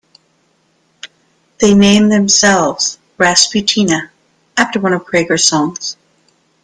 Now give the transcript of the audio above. They named themselves "Rasputina", after one of Creager's songs.